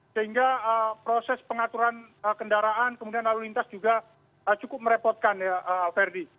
sehingga proses pengaturan kendaraan kemudian lalu lintas juga cukup merepotkan ya verdi